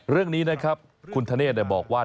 เรื่องนี้นะครับคุณธเนธบอกว่า